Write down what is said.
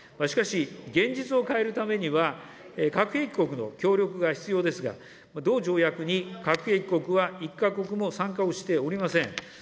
しかし、現実を変えるためには、核兵器国の協力が必要ですが、同条約に核兵器国は１か国も参加しておりません。